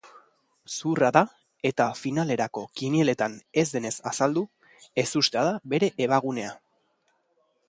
Zuhurra da eta finalerako kinieletan ez denez azaldu, ezustea da bere abagunea.